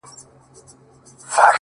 • څلورمه هغه آش هغه کاسه وه,